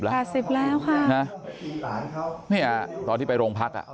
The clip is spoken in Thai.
๘๐แล้วค่ะตอนที่ไปโรงพัก